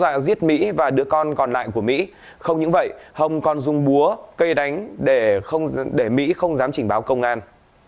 hồng sợ giết mỹ và đứa con còn lại của mỹ không những vậy hồng còn dung búa cây đánh để mỹ không dám trình báo công an